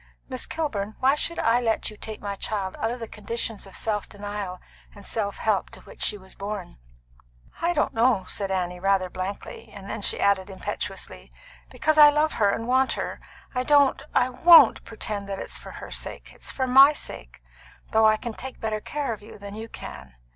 Miss Kilburn, why should I let you take my child out of the conditions of self denial and self help to which she was born?" "I don't know," said Annie rather blankly. Then she added impetuously: "Because I love her and want her. I don't I won't pretend that it's for her sake. It's for my sake, though I can take better care of her than you can.